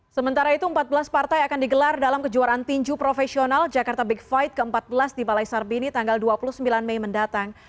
sementara itu empat belas partai akan digelar dalam kejuaraan tinju profesional jakarta big fight ke empat belas di balai sarbini tanggal dua puluh sembilan mei mendatang